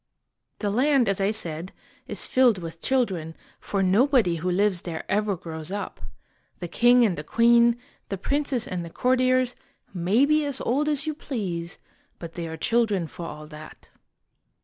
The land, as I said, is filled with children, for nobody who lives there ever grows up. The king and the queen, the princes and the courtiers, may be as old as you please, but they are children for all that.